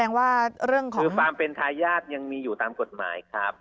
คือความเป็นทายาทยังมีอยู่ตามกฎหมายครับ